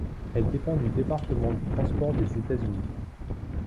Elle dépend du Département des Transports des États-Unis.